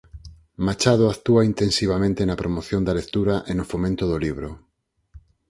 Machado actúa intensivamente na promoción da lectura e no fomento do libro.